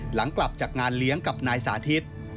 หลังกลับจากงานเลี้ยงกับนายสาธิต